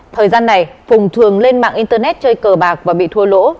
thời gian này phùng thường lên mạng internet chơi cờ bạc và bị thua lỗ